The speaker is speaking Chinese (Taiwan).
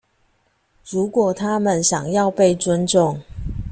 如果他們想要被尊重